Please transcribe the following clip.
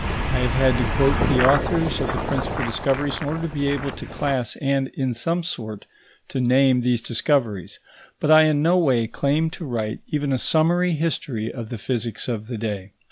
I have had to quote the authors of the principal discoveries in order to be able to class and, in some sort, to name these discoveries; but I in no way claim to write even a summary history of the physics of the day.